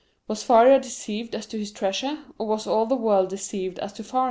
Was Faria deceived as to his treasure, or was all the world deceived as to Faria?